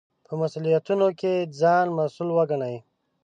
په مسوولیتونو کې ځان مسوول وګڼئ.